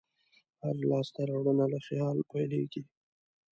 هره لاسته راوړنه له خیال پیلېږي.